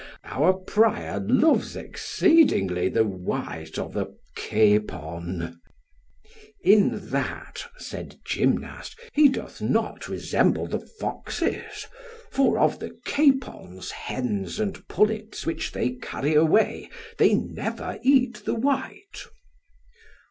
Our prior loves exceedingly the white of a capon. In that, said Gymnast, he doth not resemble the foxes; for of the capons, hens, and pullets which they carry away they never eat the white.